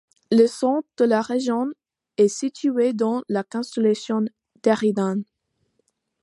Le centre de la région est situé dans la constellation d'Éridan.